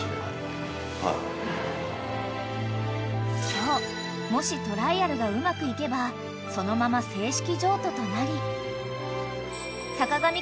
［そうもしトライアルがうまくいけばそのまま正式譲渡となり］